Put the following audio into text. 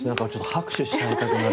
拍手しちゃいたくなる。